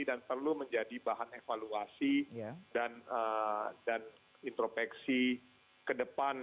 dan perlu menjadi bahan evaluasi dan intropeksi ke depan